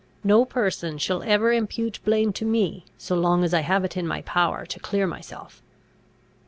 No person shall ever impute blame to me, so long as I have it in my power to clear myself."